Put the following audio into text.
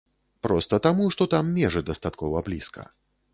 Проста таму, што там межы дастаткова блізка.